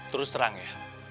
terus terang ya